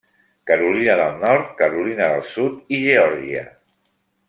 Carolina del Nord, Carolina del Sud i Geòrgia.